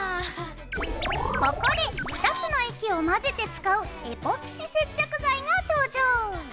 ここで２つの液を混ぜて使うエポキシ接着剤が登場！